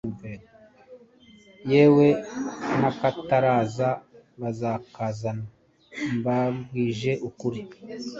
yewe nakataraza bazakazana mbabwije ukuri